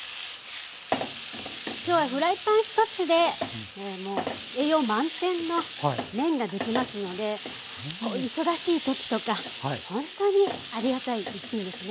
今日はフライパン一つで栄養満点の麺ができますので忙しい時とかほんとにありがたい一品ですね。